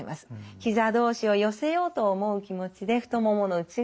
ひざ同士を寄せようと思う気持ちで太ももの内側が使えます。